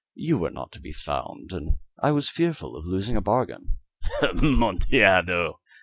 You were not to be found, and I was fearful of losing a bargain." "Amontillado!"